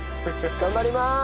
頑張ります！